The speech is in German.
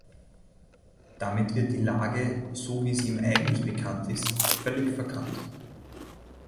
Damit wird die Lage, so wie sie ihm eigentlich bekannt ist, völlig verkannt.